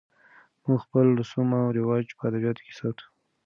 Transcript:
موږ خپل رسم و رواج په ادبیاتو کې ساتو.